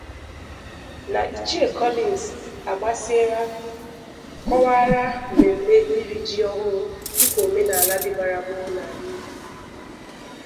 na Ichie Collins Agbasiere kọwara mmemme iri ji ọhụụ dịka omenala dịbara gboo n'ala Igbo